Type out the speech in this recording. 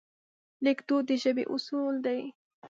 لیکدود د ژبې اصول دي.